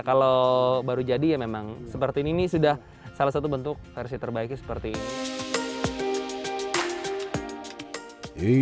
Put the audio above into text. kalau baru jadi ya memang seperti ini ini sudah salah satu bentuk versi terbaiknya seperti ini